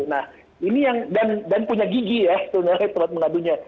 nah ini yang dan punya gigi ya tempat mengadunya